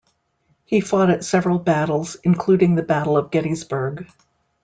He fought at several battles, including the Battle of Gettysburg.